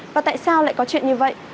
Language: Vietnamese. và tại sao lại có chuyện như vậy